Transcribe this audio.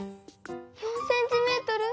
４ｃｍ？